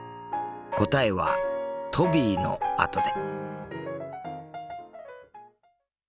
答えはトビーのあとで。